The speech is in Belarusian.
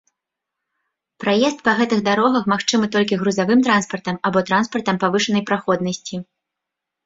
Праезд па гэтых дарогах магчымы толькі грузавым транспартам або транспартам павышанай праходнасці.